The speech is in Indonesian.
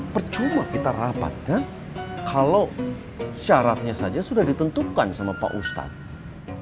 percuma kita rapat dan kalau syaratnya saja sudah ditentukan sama pak ustadz